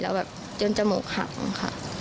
แล้วแบบยนต์จมูกหัง